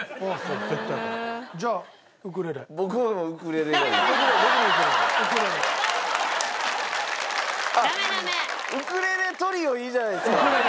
ウクレレトリオいいじゃないですか。